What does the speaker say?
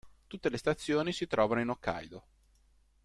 Tutte le stazioni si trovano in Hokkaidō.